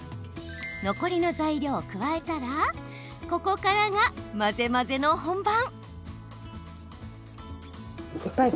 残りの材料を加えたらここからが混ぜ混ぜの本番。